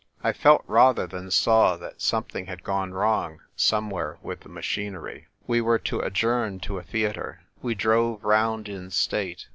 I felt rather than saw that something had gone wrong somewhere with the machinery. We were to adjourn to a theatre. We drove round in state.